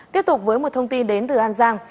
tiếp tục với một thông tin đến từ an giang